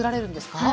はい。